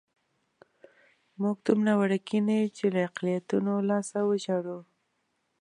موږ دومره وړوکي نه یو چې له اقلیتونو لاسه وژاړو.